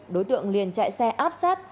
đối tượng liền chạy xe áp sát